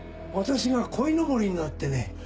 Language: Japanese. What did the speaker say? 私が鯉のぼりになってね